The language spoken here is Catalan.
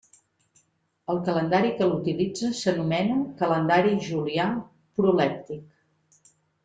El calendari que l'utilitza s'anomena calendari julià prolèptic.